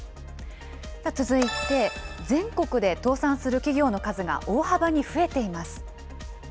さあ、続いて、全国で倒産する企業の数が大幅に増えています。